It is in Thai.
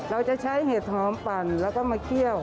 เราจะใช้เห็ดหอมปั่นแล้วก็มาเคี่ยว